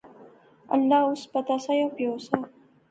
اللہ اس پتہ سا یا او پیو سا